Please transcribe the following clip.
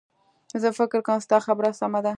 زه فکر کوم ستا خبره سمه ده